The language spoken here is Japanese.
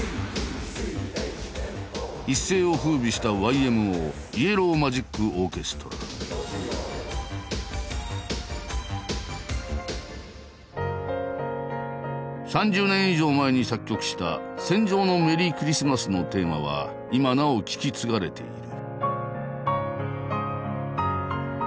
一世を風靡した３０年以上前に作曲した「戦場のメリークリスマス」のテーマは今なお聴き継がれている。